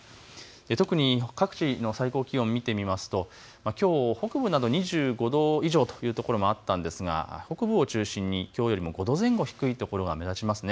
特に各地の最高気温、見てみますときょう北部など２５度以上というところもあったんですが北部を中心にきょうよりも５度前後低いところが目立ちますね。